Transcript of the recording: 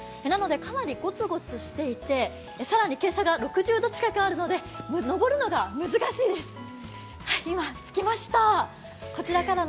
なので、かなりゴツゴツしていて、更に傾斜が６０度近くあるので登るのが難しいです。